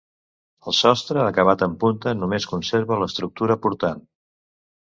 El sostre, acabat en punta, només conserva l'estructura portant.